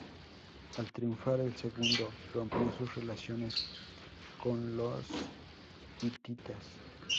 Al triunfar el segundo, rompió sus relaciones con los hititas.